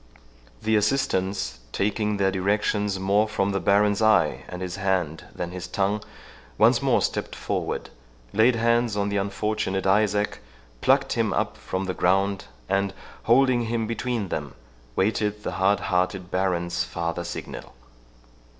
The assistants, taking their directions more from the Baron's eye and his hand than his tongue, once more stepped forward, laid hands on the unfortunate Isaac, plucked him up from the ground, and, holding him between them, waited the hard hearted Baron's farther signal.